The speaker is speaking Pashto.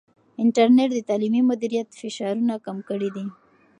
انټرنیټ د تعلیمي مدیریت فشارونه کم کړي دي.